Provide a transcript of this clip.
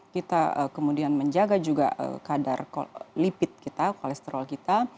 kita kemudian menjaga juga kadar lipid kita kolesterol kita